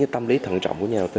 tâm lý thận trọng của nhà đầu tư